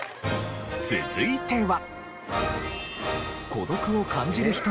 続いては。